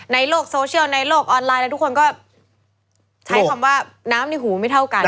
ในโลกโซเชียลในโลกออนไลน์แล้วทุกคนก็ใช้คำว่าน้ำในหูไม่เท่ากัน